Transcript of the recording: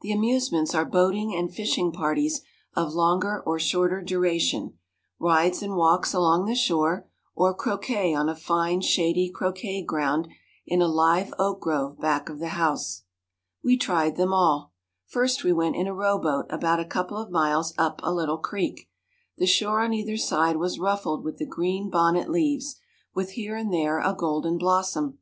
The amusements are boating and fishing parties of longer or shorter duration, rides and walks along the shore, or croquet on a fine, shady croquet ground in a live oak grove back of the house. We tried them all. First we went in a row boat about a couple of miles up a little creek. The shore on either side was ruffled with the green bonnet leaves, with here and there a golden blossom.